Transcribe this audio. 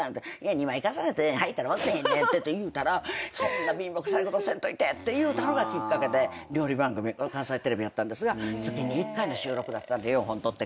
２枚重ねてはいたら分からへんねんって言うたら「そんな貧乏くさいことせんといて」って言うたのがきっかけで料理番組関西テレビやったんですが月に１回の収録だったんで４本とってくれる。